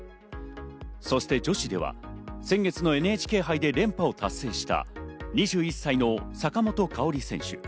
そして女子では先月のＮＨＫ杯で連覇を達成した２１歳の坂本花織選手。